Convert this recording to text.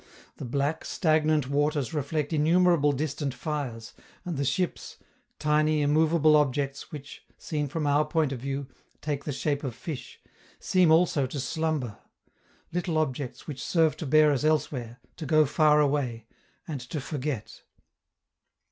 The black, stagnant waters reflect innumerable distant fires, and the ships tiny, immovable objects, which, seen from our point of view, take the shape of fish, seem also to slumber, little objects which serve to bear us elsewhere, to go far away, and to forget.